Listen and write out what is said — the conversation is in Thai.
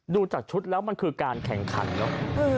ดูจากชุดแล้วมันคือการแข่งขันเนอะ